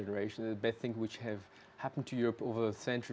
kami telah mencoba sebagai pemerintah